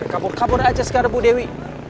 kamu kamu aja sekarang bu dewi